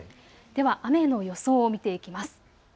では雨の予想を見ていきます。